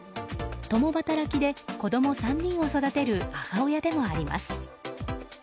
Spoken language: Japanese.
共働きで、子供３人を育てる母親でもあります。